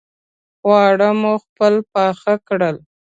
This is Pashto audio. خواړه مو خپله پاخه کړل.